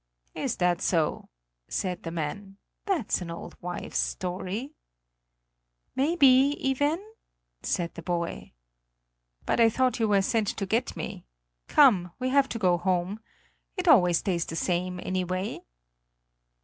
"Is that so?" said the man; "that's an old wives' story!" "May be, Iven," said the boy. "But I thought you were sent to get me. Come, we have to go home. It always stays the same, anyway."